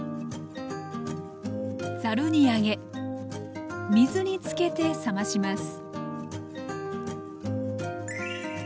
ざるに上げ水につけて冷まします